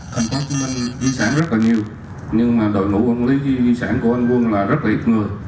thành phố hồ chí minh di sản rất là nhiều nhưng đội ngũ quân lý di sản của anh quân là rất liệt người